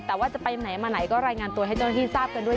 แต่ว่าจะไปไหนมาไหนก็รายงานตัวให้เจ้าหน้าที่ทราบกันด้วย